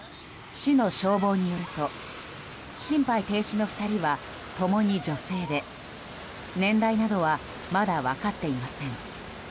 市の消防によると心肺停止の２人は共に女性で年代などはまだ分かっていません。